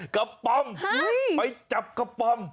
กระปำไปจับกระปำ